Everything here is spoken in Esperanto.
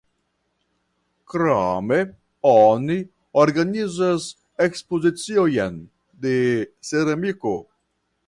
Krome oni organizas ekspoziciojn de ceramiko.